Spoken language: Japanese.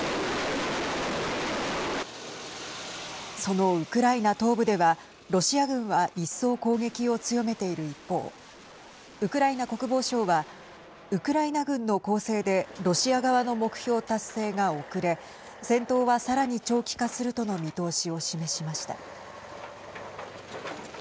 そのウクライナ東部ではロシア軍は一層、攻撃を強めている一方ウクライナ国防省はウクライナ軍の抗戦でロシア側の目標達成が遅れ戦闘は、さらに長期化するとの見通しを示しました。